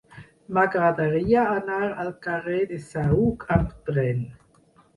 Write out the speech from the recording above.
M'agradaria anar al carrer del Saüc amb tren.